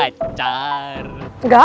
mami selalu ngapain